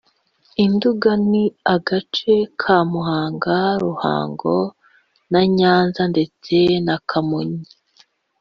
Induga Ni agace ka Muhanga, Ruhango na Nyanza ndetse na Kamonyi